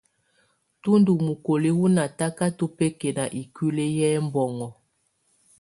Tú ndù mukoliǝ wù natakatɔ̀ bɛkɛna ikuili yɛ ɛmbɔŋɔ.